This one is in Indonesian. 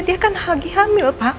dia kan lagi hamil pak